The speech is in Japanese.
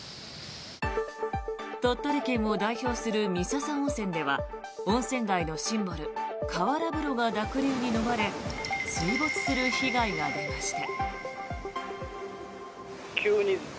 鳥取県を代表する三朝温泉では温泉街のシンボル、河原風呂が濁流にのまれ水没する被害が出ました。